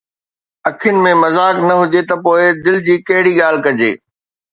اکين ۾ مذاق نه هجي ته پوءِ دل جي ڪهڙي ڳالهه ڪجي